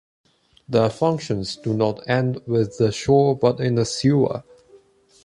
Their functions do not end with the shore, but in the sewer.